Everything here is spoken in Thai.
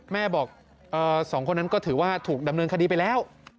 แม่บอกสองคนนั้นก็ถือว่าถูกดำเนินคดีไปแล้ว